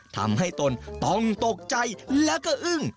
ทำให้ตนต้องตกใจและก็อึ้ง